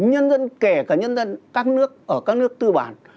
nhân dân kể cả nhân dân các nước ở các nước tư bản